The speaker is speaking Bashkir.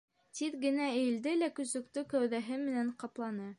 Тиҙ генә эйелде лә көсөктө кәүҙәһе менән ҡапланы.